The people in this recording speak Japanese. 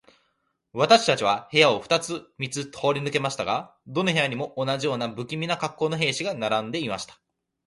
私たちは部屋を二つ三つ通り抜けましたが、どの部屋にも、同じような無気味な恰好の兵士が並んでいました。